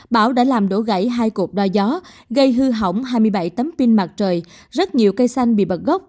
bão đã làm đổ gãy hai cột đo gió gây hư hỏng hai mươi bảy tấm pin mặt trời rất nhiều cây xanh bị bật gốc